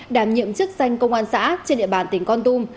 đảm nhiệm chức danh công an xã trên địa bàn tỉnh con tum